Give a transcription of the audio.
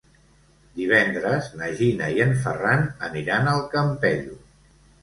Divendres na Gina i en Ferran aniran al Campello.